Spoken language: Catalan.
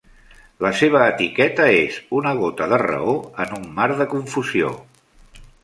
La seva etiqueta és "una gota de raó en un mar de confusió".